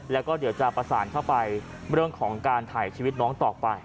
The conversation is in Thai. แล้วก็เดี๋ยวจะประสานเข้าไปเรื่องของการถ่ายชีวิตน้องต่อไป